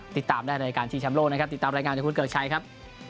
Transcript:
ติดตามได้โดยการชีวิตชำโลกนะครับติดตามรายงานจากคุณเกิร์กชัยครับ